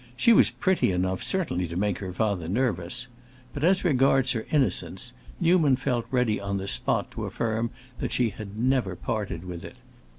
She was pretty enough, certainly to make her father nervous; but, as regards her innocence, Newman felt ready on the spot to affirm that she had never parted with it.